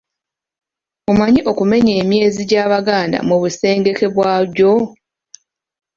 Omanyi okumenya emyezi gy'Abaganda mu busengeke bwagyo?